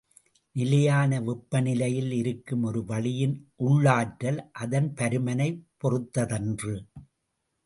நிலையான வெப்பநிலையில் இருக்கும் ஒரு வளியின் உள்ளாற்றல் அதன் பருமனைப் பொறுத்ததன்று.